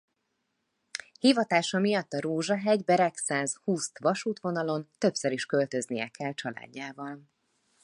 Hivatása miatt a Rózsahegy–Beregszász–Huszt vasútvonalon többször is költöznie kell családjával.